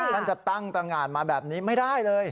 ท่านจะตั้งตรงานมาแบบนี้ไม่ได้เลย